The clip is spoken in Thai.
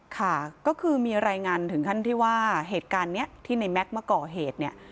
ค่ะก็คือมีรายงานถึงขั้นที่ว่าเหตุการณ์นี้ที่ในแม็กซ์มาก่อเหตุเนี่ย